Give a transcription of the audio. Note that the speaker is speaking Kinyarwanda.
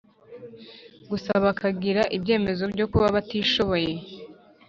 gusa bakagira ibyemezo byo kuba batishoboye.